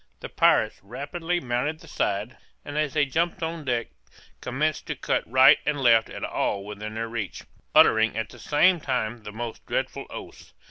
The pirates rapidly mounted the side, and as they jumped on deck, commenced to cut right and left at all within their reach, uttering at the same time the most dreadful oaths.